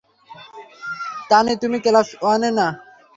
তানি, তুমি ক্লাস ওয়ানে না?